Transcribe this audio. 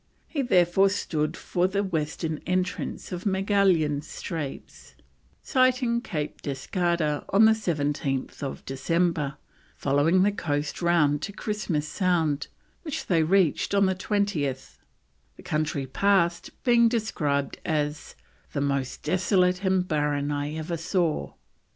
He therefore stood for the western entrance of Magellan's Straits, sighting Cape Descada on 17th December, following the coast round to Christmas Sound, which they reached on the 20th, the country passed being described as "the most desolate and barren I ever saw."